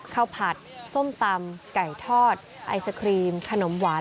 ข้าวผัดส้มตำไก่ทอดไอศครีมขนมหวาน